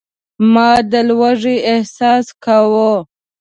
ما د لوږې احساس کاوه.